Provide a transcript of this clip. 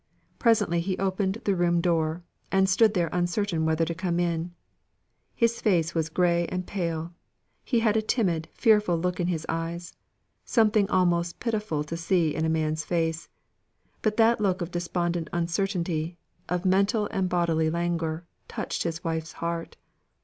Presently he opened the room door, and stood there uncertain whether to come in. His face was gray and pale; he had a timid fearful look in his eyes; something almost pitiful to see in a man's face; but that look of despondent uncertainty, of mental and bodily languor, touched his wife's heart.